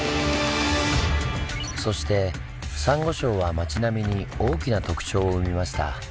そしてサンゴ礁は町並みに大きな特徴を生みました。